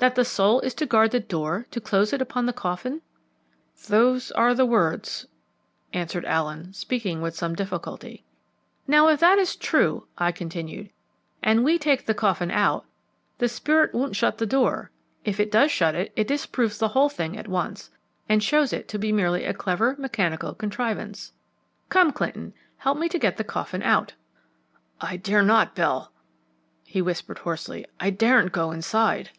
"'That the soul is to guard the door, to close it upon the coffin?'" "Those are the words," answered Allen, speaking with some difficulty. "Now if that is true," I continued, "and we take the coffin out, the spirit won't shut the door; if it does shut it, it disproves the whole thing at once, and shows it to be merely a clever mechanical contrivance. Come, Clinton, help me to get the coffin out." "I dare not, Bell," he whispered hoarsely. "I daren't go inside."